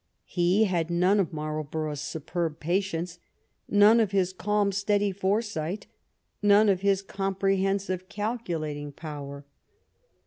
He had none of Marlborough's superb patience, none of his calm, steady foresight, none of his comprehen sive, calculating power.